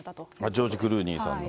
ジョージ・クルーニーさんの。